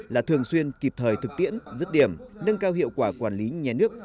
là thường xuyên kịp thời thực tiễn dứt điểm nâng cao hiệu quả quản lý nhà nước